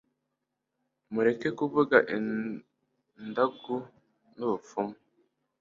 mureke kuvuga indagu n'ubupfumu